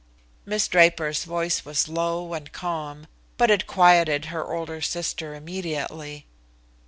Miss Draper's voice was low and calm, but it quieted her older sister immediately.